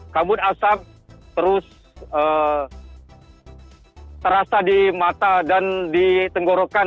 kabut asap terus terasa di mata dan ditenggorokan